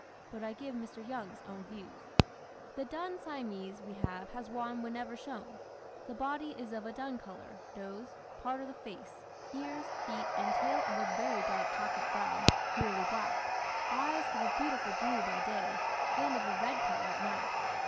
But I give Mr. Young's own views: "The dun Siamese we have has won whenever shown; the body is of a dun colour, nose, part of the face, ears, feet, and tail of a very dark chocolate brown, nearly black, eyes of a beautiful blue by day, and of a red colour at night!